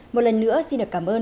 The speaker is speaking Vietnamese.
một lần nữa xin được cảm ơn